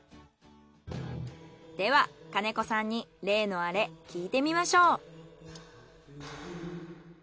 では兼子さんに例のあれ聞いてみましょう。